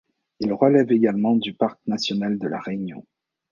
Il relève également du parc national de La Réunion.